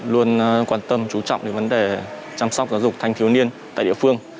luôn quan tâm chú trọng đến vấn đề chăm sóc giáo dục thanh thiếu niên tại địa phương